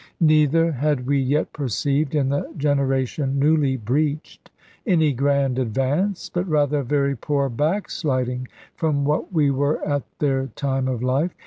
Neither had we yet perceived, in the generation newly breeched, any grand advance, but rather a very poor backsliding, from what we were at their time of life.